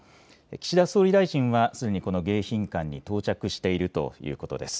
岸田総理大臣はすでにこの迎賓館に到着しているということです。